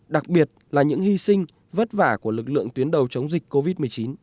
đặc biệt là những hy sinh vất vả của lực lượng tuyến đầu chống dịch covid một mươi chín